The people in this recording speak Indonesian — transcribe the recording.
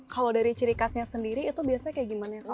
kalau dari ciri khasnya sendiri itu biasanya kayak gimana